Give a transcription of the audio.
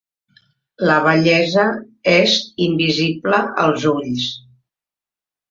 La bellesa és invisible als ulls.